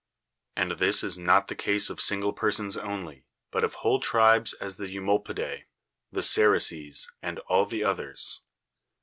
And this is not the case of single persons only, but of whole tribes as the Eumolpidas, the Ceryces, and all the others.